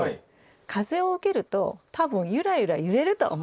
風を受けると多分ゆらゆら揺れると思います。